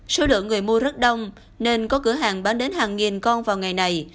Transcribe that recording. số lượng người mua rất đông nên có cửa hàng bán đến hàng nghìn con vào ngày này